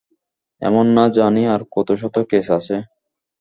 এমন না জানি আরো কত শত কেস আছে।